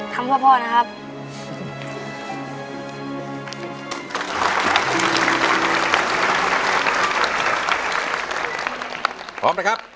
คำโวยพ่อนะครับ